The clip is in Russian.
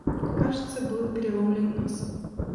Кажется, был переломлен нос.